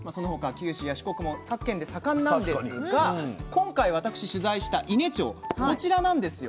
九州や四国も各県で盛んなんですが今回私取材した伊根町こちらなんですよ。